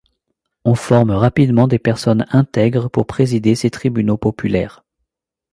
On forme rapidement des personnes intègres pour présider ces tribunaux populaires.